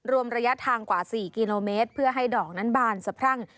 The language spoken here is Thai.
รวมระยะทางกว่า๔กิโลเมตรเพื่อให้ดอกนั้นบานสะพรั่ง